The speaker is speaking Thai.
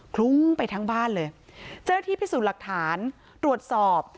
ลุ้งไปทั้งบ้านเลยเจ้าหน้าที่พิสูจน์หลักฐานตรวจสอบ